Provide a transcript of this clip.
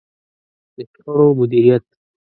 د شخړو مديريت.